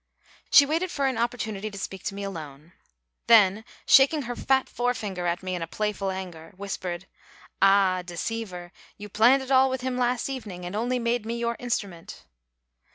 She watched for an opportunity to speak to me alone, then, shaking her fat forefinger at me in playful anger, whispered, "Ah, deceiver, you planned it all with him last evening and only made me your instrument!"